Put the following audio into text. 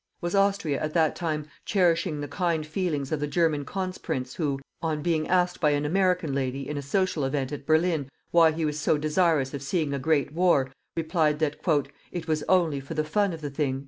Was Austria at that time cherishing the kind feelings of the German Kronprinz who, on being asked by an American lady, in a social event, at Berlin, why he was so desirous of seeing a great war, replied that "it was only for the fun of the thing?"